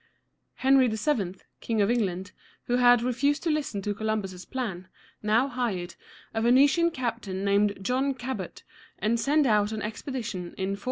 Henry VII., King of England, who had refused to listen to Columbus's plan, now hired a Venetian captain named John Cab´ot, and sent out an expedition in 1497.